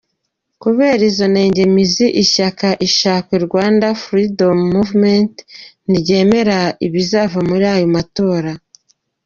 Kubera izo nenge-mizi, ishyaka Ishakwe Rwanda Freedom Movement ntiryemera ibizava muri ariya matora.